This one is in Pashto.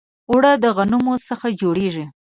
اوړه د غنمو څخه جوړیږي